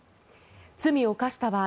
罪を犯した場合